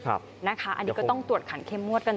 อันนี้ก็ต้องตรวจขันเค็มมวดกันต่อไป